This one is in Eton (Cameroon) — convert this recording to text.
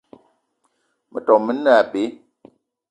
Metom me ne abe.